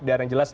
dan yang jelas